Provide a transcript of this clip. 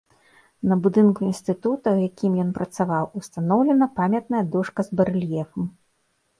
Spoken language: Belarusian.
На будынку інстытута, у якім ён працаваў, устаноўлена памятная дошка з барэльефам.